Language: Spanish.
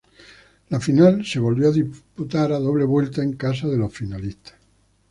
La final se volvió a disputar a doble vuelta en casa de los finalistas.